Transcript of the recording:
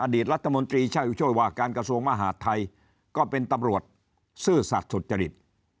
รัฐมนตรีช่วยว่าการกระทรวงมหาดไทยก็เป็นตำรวจซื่อสัตว์สุจริต